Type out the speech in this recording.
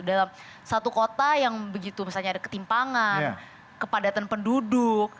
dalam satu kota yang begitu misalnya ada ketimpangan kepadatan penduduk